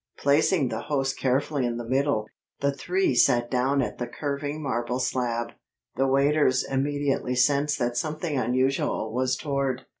Placing the host carefully in the middle, the three sat down at the curving marble slab. The waiters immediately sensed that something unusual was toward.